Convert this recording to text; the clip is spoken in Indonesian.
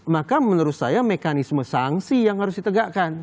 maka menurut saya mekanisme sanksi yang harus ditegakkan